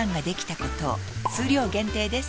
数量限定です